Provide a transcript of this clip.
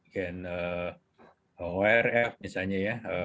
gen orf misalnya ya